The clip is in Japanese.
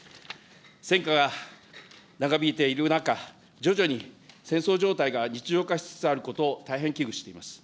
戦火が長引いている中、徐々に戦争状態が日常化しつつあることを大変危惧しています。